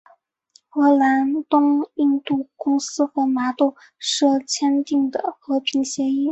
荷兰东印度公司和麻豆社签订的和平协约。